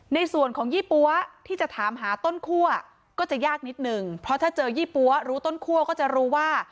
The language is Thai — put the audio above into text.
ในส่วนของยี่ปั๊วที่จะถามหาต้นคั่วก็จะยากนิดหนึ่งเพราะถ้าเจอยี่ปั๊วรู้ต้นคั่วก็จะรู้ว่า